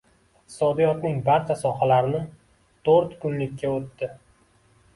Iqtisodiyotning barcha sohalarini to‘rt kunlikka o‘tdi.